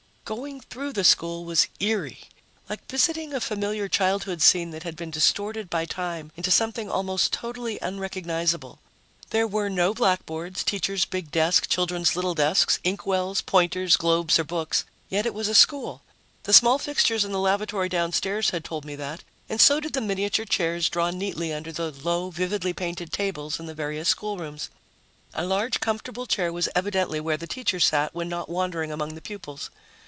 Going through the school was eerie, like visiting a familiar childhood scene that had been distorted by time into something almost totally unrecognizable. There were no blackboards, teacher's big desk, children's little desks, inkwells, pointers, globes or books. Yet it was a school. The small fixtures in the lavatory downstairs had told me that, and so did the miniature chairs drawn neatly under the low, vividly painted tables in the various schoolrooms. A large comfortable chair was evidently where the teacher sat when not wandering around among the pupils.